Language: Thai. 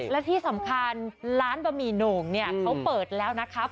และที่สำคัญร้านบะหมี่โหน่งเนี่ยเขาเปิดแล้วนะครับ